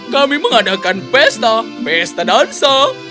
kami mengadakan pesta pesta dansa